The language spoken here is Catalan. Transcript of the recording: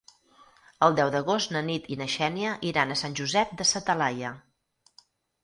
El deu d'agost na Nit i na Xènia iran a Sant Josep de sa Talaia.